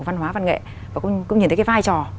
văn hóa văn nghệ và cũng nhìn thấy cái vai trò